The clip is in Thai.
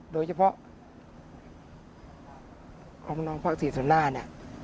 โดยเฉพาะองค์น้องภาคศรีสวนหน้าเนี้ย